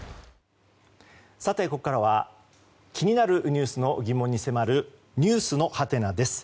ここからは気になるニュースの疑問に迫るｎｅｗｓのハテナです。